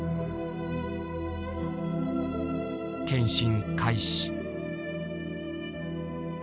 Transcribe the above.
検診開始。